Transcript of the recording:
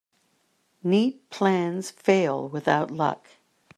Neat plans fail without luck.